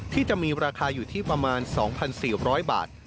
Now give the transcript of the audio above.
ที่จะมีราคาอยู่ที่ประมาณ๒๔๐๐บาท